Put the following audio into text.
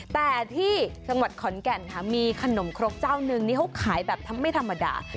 แต่ที่จังหวัดขอนแก่นค่ะมีขนมครกเจ้านึงนี่เขาขายแบบไม่ธรรมดา